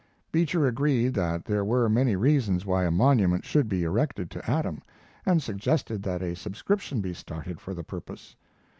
Beecher agreed that there were many reasons why a monument should be erected to Adam, and suggested that a subscription be started for the purpose.